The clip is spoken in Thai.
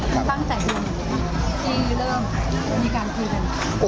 ตั้งใจดูที่เริ่มมีการคุยกัน